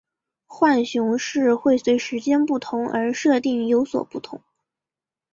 浣熊市会随时间不同而设定有所不同。